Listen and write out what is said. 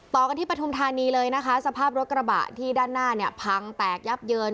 ต่อกันที่ปฐุมธานีเลยนะคะสภาพรถกระบะที่ด้านหน้าเนี่ยพังแตกยับเยิน